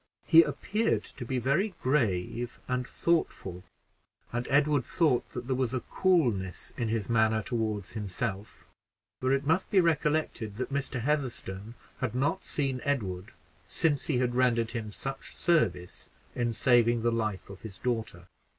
He appeared to be very grave and thoughtful, and Edward thought that there was a coolness in his manner toward himself for it must be recollected that Mr. Heatherstone had not seen Edward since he had rendered him such service in saving the life of his daughter.